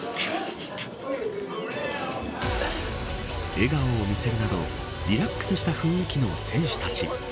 笑顔を見せるなどリラックスした雰囲気の選手たち。